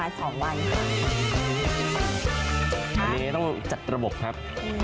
อันนี้ต้องจัดระบบครับ